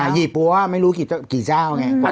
หยีบกว่าไม่รู้กี่เจ้าไง